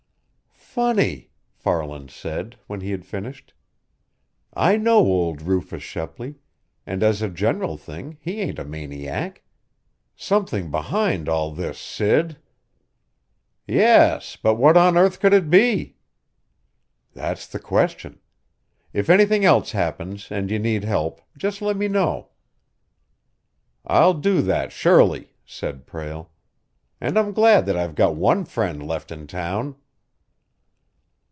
"Funny!" Farland said, when he had finished. "I know old Rufus Shepley, and as a general thing he ain't a maniac. Something behind all this, Sid." "Yes; but what on earth could it be?" "That's the question. If anything else happens, and you need help, just let me know." "I'll do that, surely," said Prale. "And I'm glad that I've got one friend left in town."